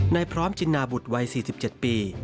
พร้อมจินนาบุตรวัย๔๗ปี